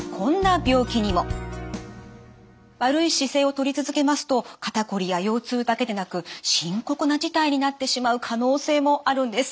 悪い姿勢をとり続けますと肩こりや腰痛だけでなく深刻な事態になってしまう可能性もあるんです。